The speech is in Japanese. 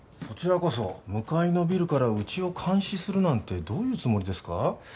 そちらこそ向かいのビルからうちを監視するなんてどういうつもりですか？